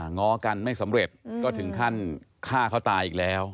ง้อกันไม่สำเร็จก็ถึงขั้นฆ่าเขาตายอีกแล้ว